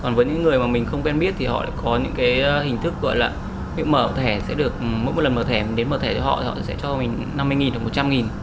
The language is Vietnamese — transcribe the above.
còn với những người mà mình không quen biết thì họ lại có những cái hình thức gọi là mở thẻ sẽ được mỗi một lần mở thẻ đến mở thẻ cho họ thì họ sẽ cho mình năm mươi hoặc một trăm linh